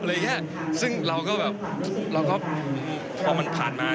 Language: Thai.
เรื่องนี้พอมันผ่านมา